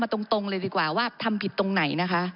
ตรงเลยดีกว่าว่าทำผิดตรงไหนนะคะ